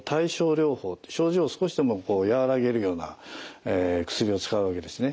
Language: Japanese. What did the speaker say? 症状を少しでも和らげるような薬を使うわけですね。